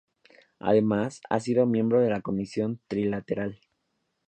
Además, ha sido miembro de la Comisión Trilateral.